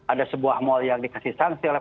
ada sebuah mal yang dikasih sanksi oleh